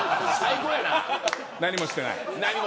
何もしていない。